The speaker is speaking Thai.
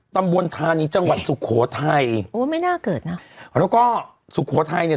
ตำบลธานีจังหวัดสุโขทัยโอ้ไม่น่าเกิดนะแล้วก็สุโขทัยเนี่ย